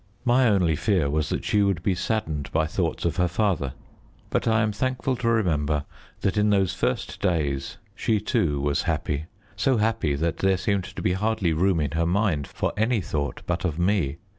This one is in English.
My only fear was that she would be saddened by thoughts of her father; but I am thankful to remember that in those first days she, too, was happy so happy that there seemed to be hardly room in her mind for any thought but of me.